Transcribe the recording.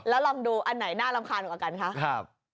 แล้วลองดูอันไหนน่ารำคาญกว่ากันคะ